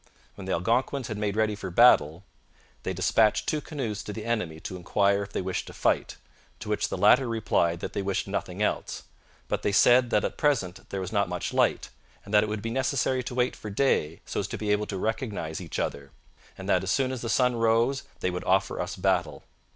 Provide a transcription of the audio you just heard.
When the Algonquins had made ready for battle they dispatched two canoes to the enemy to inquire if they wished to fight, to which the latter replied that they wished nothing else; but they said that at present there was not much light, and that it would be necessary to wait for day so as to be able to recognize each other; and that as soon as the sun rose they would offer us battle.